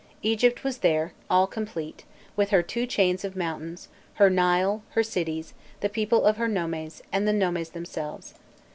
Egypt was there, all complete, with her two chains of mountains, her Nile, her cities, the people of her nomes, and the nomes themselves.